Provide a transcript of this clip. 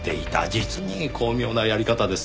実に巧妙なやり方です。